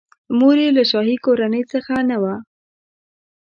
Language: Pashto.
مور یې له شاهي کورنۍ څخه نه وه.